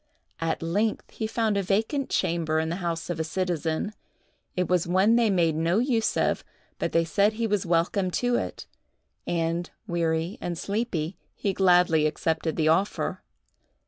At length he found a vacant chamber in the house of a citizen. It was one they made no use of, but they said he was welcome to it; and, weary and sleepy, he gladly accepted the offer.